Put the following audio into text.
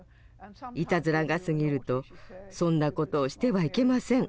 いたずらが過ぎると「そんなことをしてはいけません。